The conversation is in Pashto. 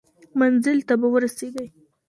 منزل ته به ورسیږئ.